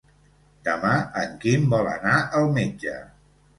Demà en Quim vol anar al metge.